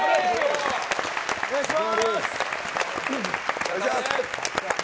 お願いします！